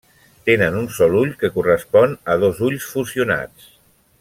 Tenen un sol ull que correspon a dos ulls fusionats.